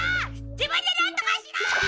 自分でなんとかしろ！